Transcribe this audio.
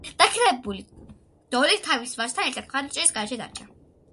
დაქვრივებული დოლი, თავის ვაჟთან ერთად მხარდაჭერის გარეშე დარჩა.